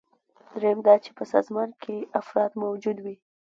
دریم دا چې په سازمان کې افراد موجود وي.